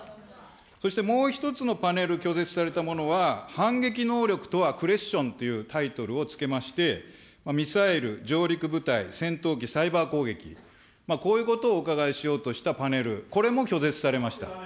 そしてもう１つのパネル、拒絶されたものは反撃能力とはクレッションというタイトルをつけまして、ミサイル、上陸部隊、戦闘機、サイバー攻撃、こういうことをお伺いしようとしたパネル、これも拒絶されました。